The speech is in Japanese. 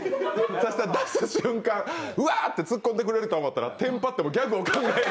出す瞬間、うわって突っ込んでくれると思ったらテンパってギャグを考えてて。